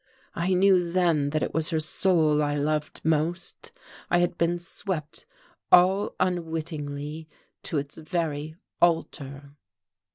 I knew then that it was her soul I loved most; I had been swept all unwittingly to its very altar.